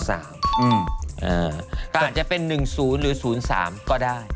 อาจจะเป็นหนึ่งศูนย์หรือศูนย์สามก็ได้